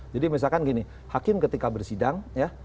jadi misalkan gini hakim ketika bersidang